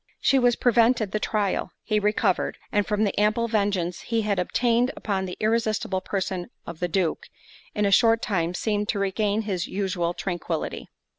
She was prevented the trial; he recovered; and from the ample vengeance he had obtained upon the irresistible person of the Duke, in a short time seemed to regain his usual tranquillity.